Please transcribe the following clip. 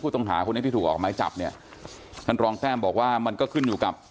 ต้องหาคนนี้ที่ถูกออกไม้จับเนี่ยท่านรองแต้มบอกว่ามันก็ขึ้นอยู่กับ